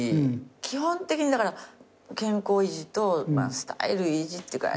基本的にだから健康維持とスタイル維持っていうか。